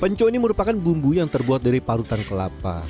penco ini merupakan bumbu yang terbuat dari parutan kelapa